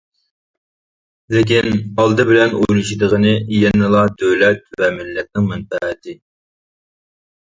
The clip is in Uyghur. لېكىن ئالدى بىلەن ئويلىشىدىغىنى يەنىلا دۆلەت ۋە مىللەتنىڭ مەنپەئەتى.